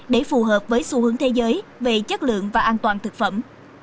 để phù hợp với xu hướng thế giới về chất lượng và an toàn thực phẩm